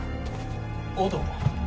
オド？